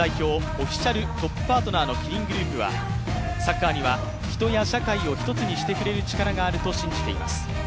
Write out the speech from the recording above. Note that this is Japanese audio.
オフィシャルトップパートナーのキリングループは、サッカーには人や社会をひとつにしてくれる力があると信じています。